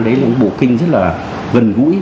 đấy là một bộ kinh rất là gần gũi